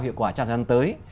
hiệu quả cho thời gian tới